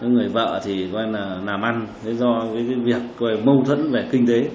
người vợ làm ăn do mâu thuẫn về kinh tế